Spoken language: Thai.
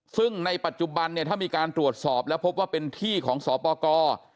ซึ่งในปัจจุบันเนี่ยถ้ามีการตรวจสอบแล้วพบว่าเป็นที่ของสปกร